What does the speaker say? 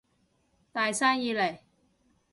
大生意嚟